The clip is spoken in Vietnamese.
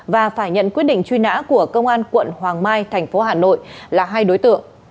và phải nhận quyết định truy nã của công an quận hoàng mai thành phố hà nội là hai đối tượng